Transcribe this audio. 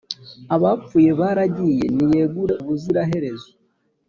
abapfuye baragiye, niyegure ubuziraherezo